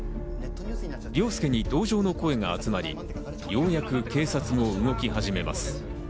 凌介に同情の声が集まり、ようやく警察も動き始めます。